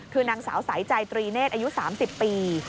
คือนางสาวสายใจตรีเนธอายุ๓๐ปี